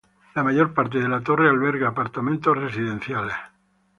La mayor parte de la torre alberga apartamentos residenciales.